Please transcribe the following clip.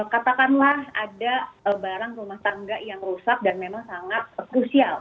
katakanlah ada barang rumah tangga yang rusak dan memang sangat spesial